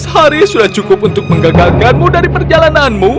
empat belas hari sudah cukup untuk menggagalkanmu dari perjalananmu